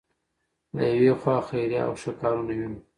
له یوې خوا خیریه او ښه کارونه وینو.